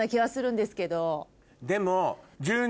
でも。